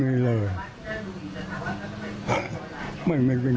ไม่มีเลยไม่มีจริง